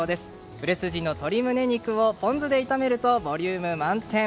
売れ筋の鶏むね肉をポン酢で炒めるとボリューム満点！